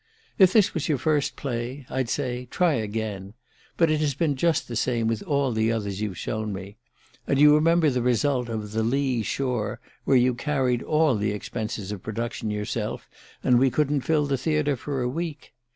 "If this was your first play I'd say: Try again. But it has been just the same with all the others you've shown me. And you remember the result of 'The Lee Shore,' where you carried all the expenses of production yourself, and we couldn't fill the theatre for a week.